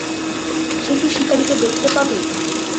সে কি শিকারীকে দেখতে পাবে?